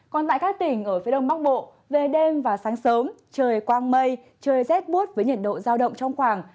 còn tại các tỉnh ở phía đông bắc bộ về đêm và sáng sớm trời quang mây trời rét bút với nhiệt độ giao động trong khoảng